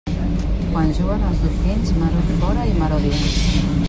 Quan juguen els dofins, maror fora i maror dins.